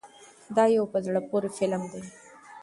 دا یو په زړه پورې فلم دی.